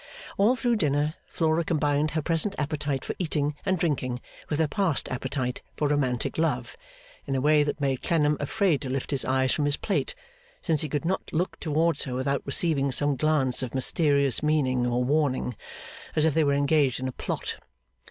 All through dinner, Flora combined her present appetite for eating and drinking with her past appetite for romantic love, in a way that made Clennam afraid to lift his eyes from his plate; since he could not look towards her without receiving some glance of mysterious meaning or warning, as if they were engaged in a plot.